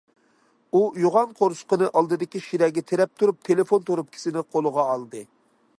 ئۇ يوغان قورسىقىنى ئالدىدىكى شىرەگە تىرەپ تۇرۇپ تېلېفون تۇرۇپكىسىنى قولىغا ئالدى.